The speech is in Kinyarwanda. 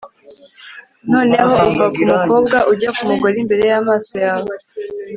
noneho uva kumukobwa ujya kumugore imbere yamaso yawe